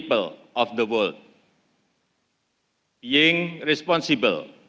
menjadi tanggung jawab